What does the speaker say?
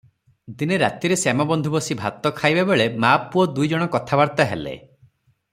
ଦିନେ ରାତିରେ ଶ୍ୟାମବନ୍ଧୁ ବସି ଭାତ ଖାଇବା ବେଳେ ମା’ ପୁଅ ଦୁଇ ଜଣ କଥାବାର୍ତ୍ତା ହେଲେ ।